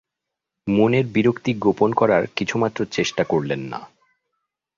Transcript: মনের বিরক্তি গোপন করার কিছুমাত্র চেষ্টা করলেন না।